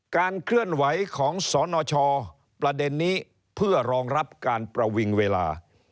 เคลื่อนไหวของสนชประเด็นนี้เพื่อรองรับการประวิงเวลา